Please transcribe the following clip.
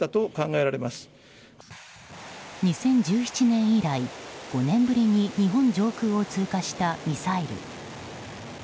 ２０１７年以来、５年ぶりに日本上空を通過したミサイル。